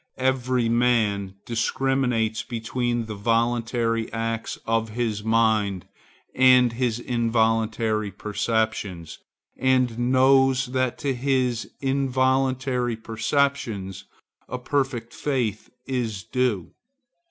Every man discriminates between the voluntary acts of his mind and his involuntary perceptions, and knows that to his involuntary perceptions a perfect faith is due.